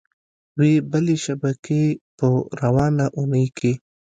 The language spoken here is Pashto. وې بلې شبکې په روانه اونۍ کې